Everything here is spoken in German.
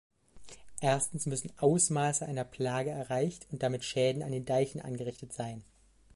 Erstens müssen Ausmaße einer Plage erreicht und damit Schäden an den Deichen angerichtet sein.